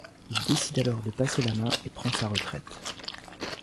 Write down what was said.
Il décide alors de passer la main et prend sa retraite.